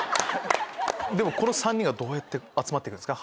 この３人がどうやって集まってくんですか？